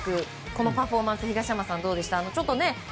このパフォーマンス東山さん、どうでした？